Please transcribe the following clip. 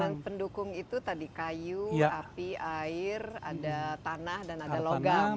yang pendukung itu tadi kayu api air ada tanah dan ada logam